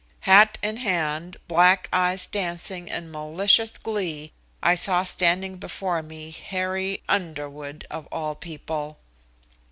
Hat in hand, black eyes dancing in malicious glee, I saw standing before me, Harry Underwood, of all people!